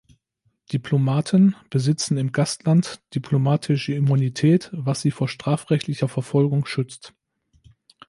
Diplomaten besitzen im Gastland diplomatische Immunität, was sie vor strafrechtlicher Verfolgung schützt.